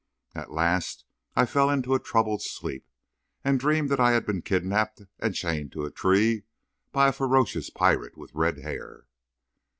At last, I fell into a troubled sleep, and dreamed that I had been kidnapped and chained to a tree by a ferocious pirate with red hair.